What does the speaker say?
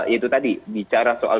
itu tadi bicara soal